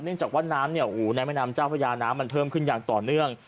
เนื่องจากน้ำแม่น้ำเจ้าภรรยาน้ำมันเพิ่มขึ้นอย่างต่อเนื่อง